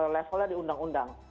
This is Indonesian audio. levelnya di undang undang